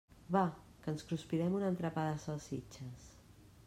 Va, que ens cruspirem un entrepà de salsitxes.